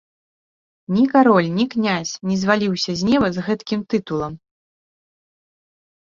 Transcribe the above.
Ні кароль, ні князь, не зваліўся з неба з гэткім тытулам.